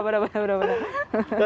masak masak sahur bener bener bener